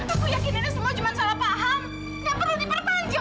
aku yakin ini semua cuma salah paham